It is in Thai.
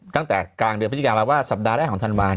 ตั้งแต่กลางเดือนพฤศจิกายาว่า